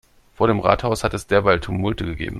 Vor dem Rathaus hat es derweil Tumulte gegeben.